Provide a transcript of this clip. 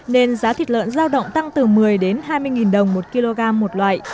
nên giá thịt lợn giao động tăng từ một mươi đến hai mươi đồng một kg một loại